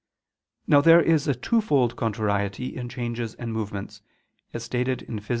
Now there is a twofold contrariety in changes and movements, as stated in _Phys.